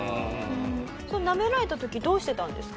なめられた時どうしてたんですか？